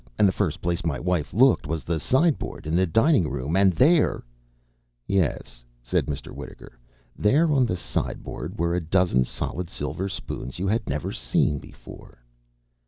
and the first place my wife looked was the sideboard, in the dining room, and there " "Yes," said Mr. Wittaker. "There, on the sideboard, were a dozen solid silver spoons you had never seen before."